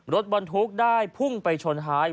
รถบรรทุกได้พุ่งไปชนท้าย